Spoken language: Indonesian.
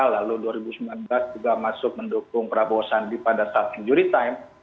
lalu dua ribu sembilan belas juga masuk mendukung prabowo sandi pada saat injury time